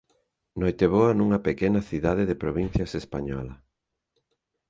Noiteboa nunha pequena cidade de provincias española.